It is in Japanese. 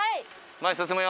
前進むよ。